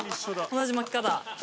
同じ巻き方。